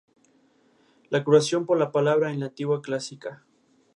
Nació en la ciudad de Nueva York y estudió en la Universidad de Columbia.